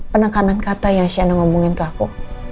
penekanan kata yang shane ngomongin ke aku